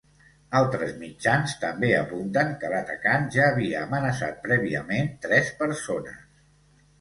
Altres mitjans també apunten que l’atacant ja havia amenaçat prèviament tres persones.